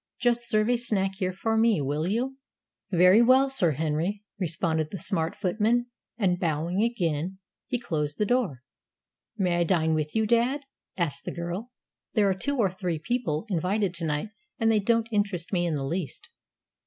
Just serve a snack here for me, will you?" "Very well, Sir Henry," responded the smart footman; and, bowing again, he closed the door. "May I dine with you, dad?" asked the girl. "There are two or three people invited to night, and they don't interest me in the least."